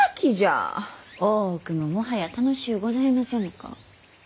大奥ももはや楽しうございませぬか。